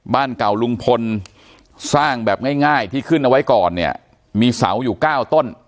บ้านเก่าลุงพลสร้างแบบง่ายที่ขึ้นเอาไว้ก่อนเนี่ยมีเสาอยู่เก้าต้น